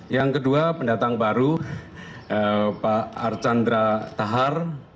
yang kedua pendatang baru pak archandra tahar